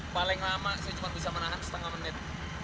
paling lama saya cuma bisa menahan setengah menit